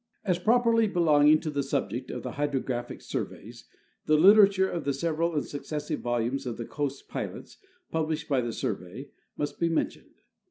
As properly belonging to the subject of the hydrographic sur veys, the literature of the several and successive volumes of the Coast Pilots, published by the Survey, must be mentioned.